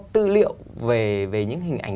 tư liệu về những hình ảnh